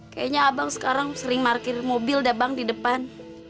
kayaknya abang sekarang sering parkir mobil udah bang di depan